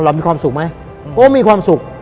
มีความสุขไหมก็มีความสุข